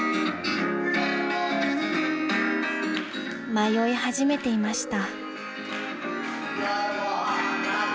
［迷い始めていました］